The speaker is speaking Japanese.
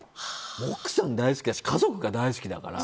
奥さん大好きだし家族が大好きだから。